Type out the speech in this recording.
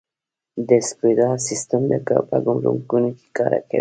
د اسیکوډا سیستم په ګمرکونو کې کار کوي؟